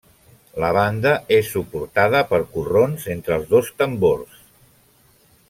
La banda és suportada per corrons entre els dos tambors.